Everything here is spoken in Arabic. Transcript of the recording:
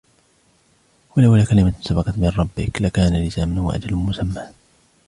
وَلَوْلَا كَلِمَةٌ سَبَقَتْ مِنْ رَبِّكَ لَكَانَ لِزَامًا وَأَجَلٌ مُسَمًّى